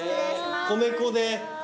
米粉で。